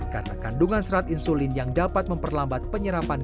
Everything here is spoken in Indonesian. karena kandungan serat insulin yang dapat memperlambat penyerapan